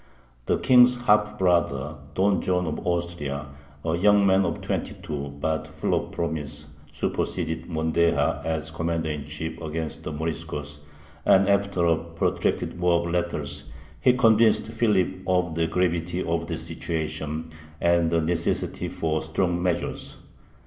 The king's half brother, Don John of Austria, a young man of twenty two, but full of promise, superseded Mondéjar as commander in chief against the Moriscos, and after a protracted war of letters he convinced Philip of the gravity of the situation and the necessity for strong measures.